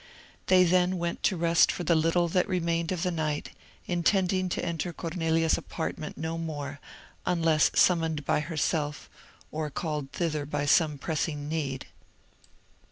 They then went to rest for the little that remained of the night, intending to enter Cornelia's apartment no more, unless summoned by herself, or called thither by some pressing need.